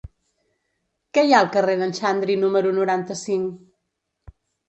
Què hi ha al carrer d'en Xandri número noranta-cinc?